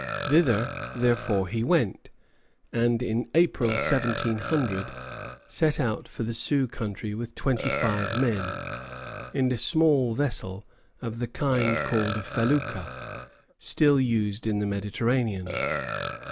Thither, therefore, he went; and in April, 1700, set out for the Sioux country with twenty five men, in a small vessel of the kind called a "felucca," still used in the Mediterranean.